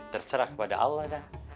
terserah kepada allah dah